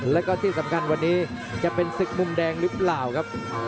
แล้วก็ที่สำคัญวันนี้จะเป็นศึกมุมแดงหรือเปล่าครับ